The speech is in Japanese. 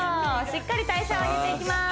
しっかり代謝を上げていきます